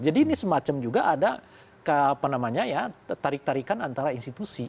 jadi ini semacam juga ada tarik tarikan antara institusi